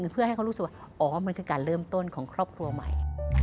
เพื่อให้เขารู้สึกว่าอ๋อมันคือการเริ่มต้นของครอบครัวใหม่